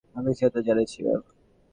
আমি সিনিয়রদের জানিয়েছি, ম্যাম।